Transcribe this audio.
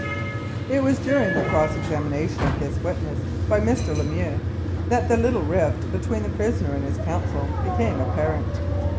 It was during the cross examination of this witness by Mr. Lemieux that the "little rift" between the prisoner and his counsel became apparent.